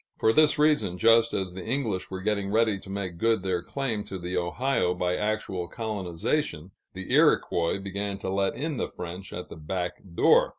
For this reason, just as the English were getting ready to make good their claim to the Ohio by actual colonization, the Iroquois began to let in the French at the back door.